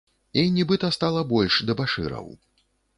І нібыта стала больш дэбашыраў.